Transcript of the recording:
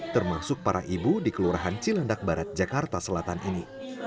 termasuk para ibu di kelurahan cilandak barat jakarta selatan ini